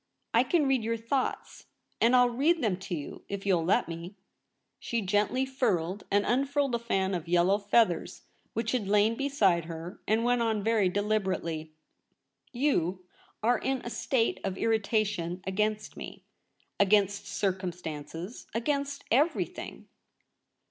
I can read your thoughts, and I'll read them to you, if you'll let me.' She gently furled and unfurled a fan of yellow feathers which had lain beside her, and w^ent on very de liberately :' You are in a state of irritation against me, against circumstances, against everything.